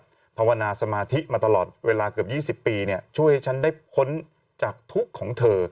แต่ภาวนาสมาธิมาตลอดเวลาเกือบ๒๐ปีช่วยให้ฉันได้พ้นจากทุกข์ของเธอ